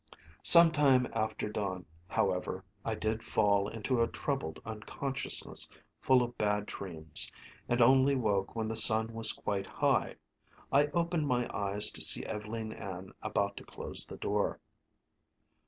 Some time after dawn, however, I did fall into a troubled unconsciousness full of bad dreams, and only woke when the sun was quite high. I opened my eyes to see Ev'leen Ann about to close the door.